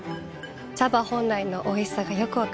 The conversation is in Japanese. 茶葉本来のおいしさがよく分かります。